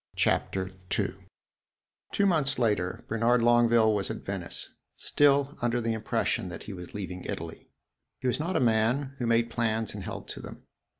CHAPTER II Two months later Bernard Longueville was at Venice, still under the impression that he was leaving Italy. He was not a man who made plans and held to them.